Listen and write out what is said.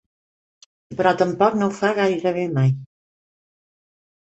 Però tampoc no ho fa gairebé mai.